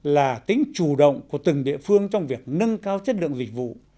là tính chủ động của từng địa phương trong việc nâng cao chất lượng dịch vụ